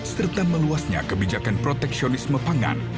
serta meluasnya kebijakan proteksionisme pangan